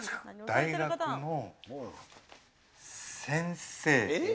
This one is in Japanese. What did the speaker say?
大学の先生。